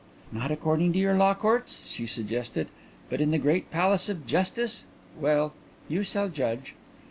"Not according to your Law Courts?" she suggested. "But in the great Palace of Justice?... Well, you shall judge."